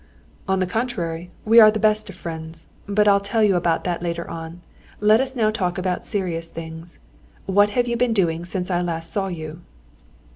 "On the contrary, we are the best of friends. But I'll tell you about that later on; let us now talk about serious things. What have you been doing since I last saw you?"